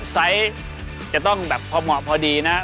ไซส์จะต้องแบบพอเหมาะพอดีนะ